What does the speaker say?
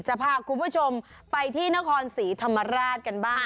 จะพาคุณผู้ชมไปที่นครศรีธรรมราชกันบ้าง